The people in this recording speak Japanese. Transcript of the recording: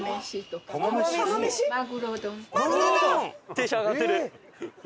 テンション上がってる。